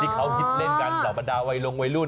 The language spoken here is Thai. ที่เค้าฮิตเล่นกันเดาบรรดาวัยลงวัยรุ่น